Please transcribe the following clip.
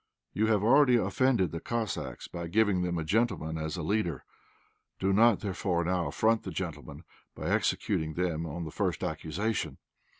You have already offended the Cossacks by giving them a gentleman as leader do not, therefore, now affront the gentlemen by executing them on the first accusation."